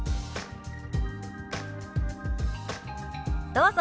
どうぞ。